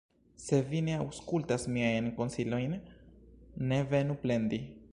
Se vi ne aŭskultas miajn konsilojn, ne venu plendi.